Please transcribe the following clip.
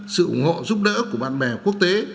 sự ủng hộ giúp đỡ của bạn bè quốc tế